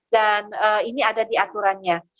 ini ada di aturannya